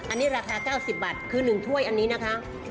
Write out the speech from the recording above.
อันนี้ราคา๙๐บาทคือ๑ถ้วยอันนี้นะคะ